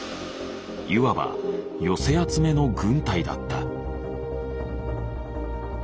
いわば寄せ集めの軍隊だった。